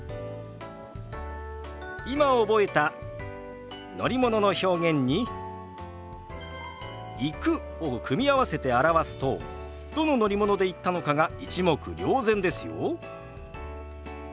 今覚えた乗り物の表現に「行く」を組み合わせて表すとどの乗り物で行ったのかが一目瞭然ですよ。